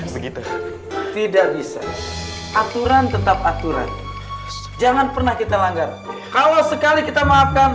begitu tidak bisa aturan tetap aturan jangan pernah kita langgar kalau sekali kita maafkan